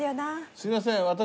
すいません私。